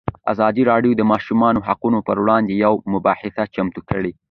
ازادي راډیو د د ماشومانو حقونه پر وړاندې یوه مباحثه چمتو کړې.